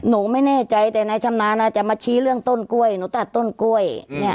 หนูไม่แน่ใจแต่นายชำนาญอาจจะมาชี้เรื่องต้นกล้วยหนูตัดต้นกล้วย